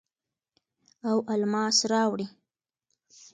او الماس راوړي